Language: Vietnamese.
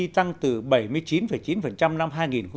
tăng từ bảy mươi chín chín năm hai nghìn một mươi